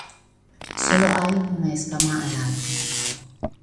Sólo hay una escama anal.